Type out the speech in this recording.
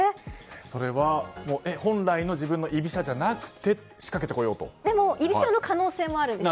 それは本来の自分の居飛車じゃなくて居飛車の可能性もあるんです。